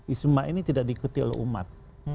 isma ini tidak diikuti oleh umat